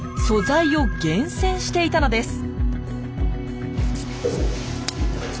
素材を厳選していたのです。